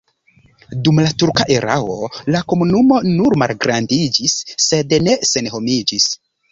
Dum la turka erao la komunumo nur malgrandiĝis, sed ne senhomiĝis.